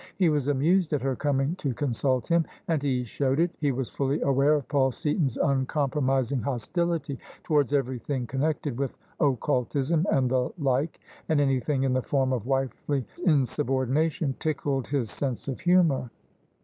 He was amused at her coming to con sult him, and he showed it; he was fully aware of Paul Seaton's uncompromising hostility towards everything con nected with occultism and the like; and anything in the form of wifely insubordination tickled his sense of hiunour.